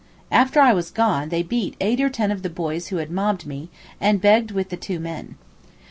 After I was gone they beat eight or ten of the boys who had mobbed me, and begged with the two men.